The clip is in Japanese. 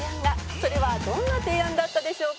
「それはどんな提案だったでしょうか？」